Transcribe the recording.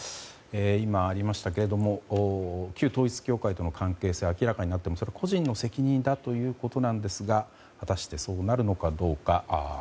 今、ありましたけれども旧統一教会との関係性が明らかになってもそれは個人の責任ということですが果たしてそうなるのかどうか。